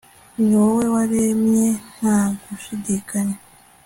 ni wowe waremye nta gushidikanya